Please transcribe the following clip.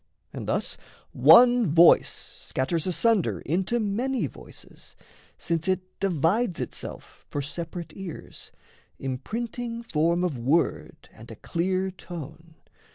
And thus one voice Scatters asunder into many voices, Since it divides itself for separate ears, Imprinting form of word and a clear tone.